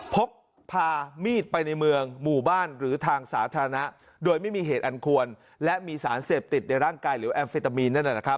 พกพามีดไปในเมืองหมู่บ้านหรือทางสาธารณะโดยไม่มีเหตุอันควรและมีสารเสพติดในร่างกายหรือแอมเฟตามีนนั่นนะครับ